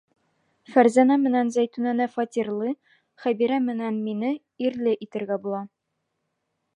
Фәрзәнә менән Зәйтүнәне фатирлы, Хәбирә менән мине... ирле итергә була.